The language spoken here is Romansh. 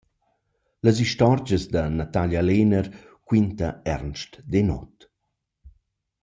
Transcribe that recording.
Las istorgias da Natalia Lehner quinta Ernst Denoth.